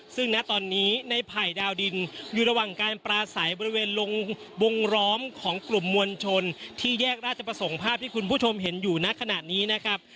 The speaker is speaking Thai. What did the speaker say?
ซึ่งณตอนนี้ในไผ่ดาวดินอยู่ระหว่างการปลาใสบริเวณลงวงล้อมของกลุ่มมวลชนที่แยกราชประสงค์ภาพที่คุณผู้ชมเห็นอยู่ณขณะนี้นะครับ